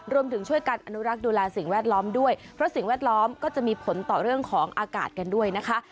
รวมถึงช่วยกันอนุรักษ์ดูแลสิ่งแวดล้อมด้วยเพราะสิ่งแวดล้อมก็จะมีผลต่อเรื่องของอากาศกันด้วยนะคะ